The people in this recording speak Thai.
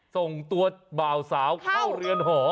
ส่งตัวบ่าวสาวเข้าเรือนหอ